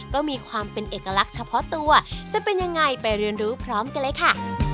ก็มีความเป็นเอกลักษณ์เฉพาะตัวจะเป็นยังไงไปเรียนรู้พร้อมกันเลยค่ะ